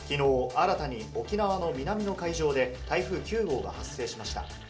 新たに沖縄の南の海上で台風９号が発生しました。